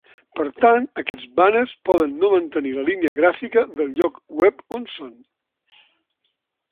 Per tant, aquests bàners poden no mantenir la línia gràfica del lloc web on són.